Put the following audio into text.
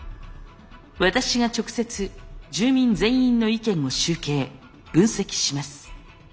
私が直接住民全員の意見を集計分析します。